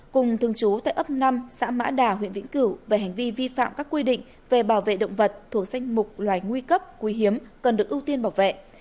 cùng thường trú tại ấp năm xã mã đà huyện vĩnh cửu về hành vi vi phạm các quy định về bảo vệ động vật thuộc danh mục loài nguy cấp quý hiếm cần được ưu tiên bảo vệ